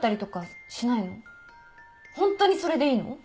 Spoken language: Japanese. ホントにそれでいいの？